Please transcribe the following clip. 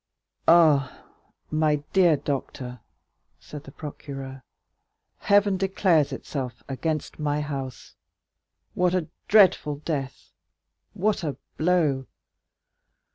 "Ah, my dear doctor," said the procureur, "Heaven declares itself against my house! What a dreadful death—what a blow!